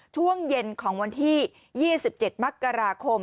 ช่วงเย็นของวันที่๒๗มกราคม